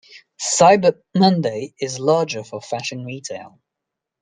Cyber Monday is larger for fashion retail.